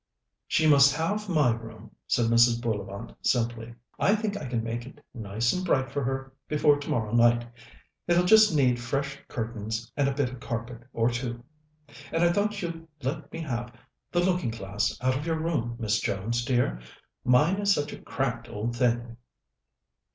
"She must have my room," said Mrs. Bullivant simply. "I think I can make it nice and bright for her before tomorrow night. It'll just need fresh curtains and a bit of carpet or two, and I thought you'd let me have the looking glass out of your room, Miss Jones dear. Mine is such a cracked old thing."